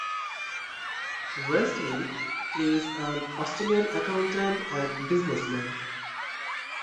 Riseley is an Australian accountant and businessman.